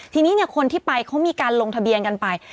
ทีนี้คนที่ไปเขามีการลงทะเบียนกันไป